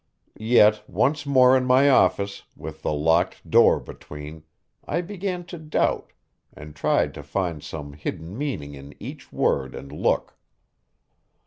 Yet, once more in my office, with the locked door between, I began to doubt, and tried to find some hidden meaning in each word and look.